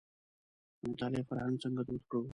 د مطالعې فرهنګ څنګه دود کړو.